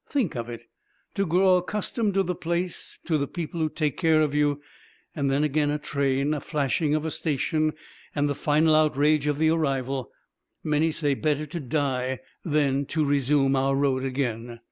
Think of it: to grow accustomed to the place, to the people who take care of you, and then again a train, a flashing of a station, and the final outrage of the arrival. Many say: 'Better to die than to resume our road again.'